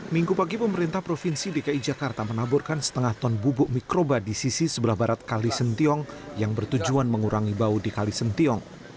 minggu pagi pemerintah provinsi dki jakarta menaburkan setengah ton bubuk mikroba di sisi sebelah barat kalisentiong yang bertujuan mengurangi bau di kalisentiong